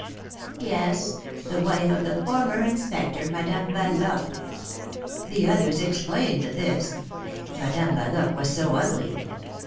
"Yes; the wife of the former Inspector, Madame Yaloque." The others exclaimed at this; Madame Yaloque was so ugly.